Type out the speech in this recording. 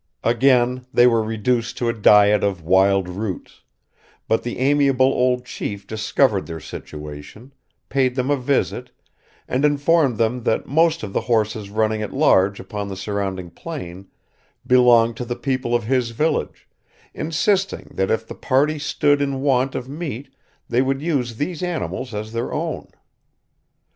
Again they were reduced to a diet of wild roots; but the amiable old chief discovered their situation, paid them a visit, and informed them that most of the horses running at large upon the surrounding plain belonged to the people of his village, insisting that if the party stood in want of meat, they would use these animals as their own.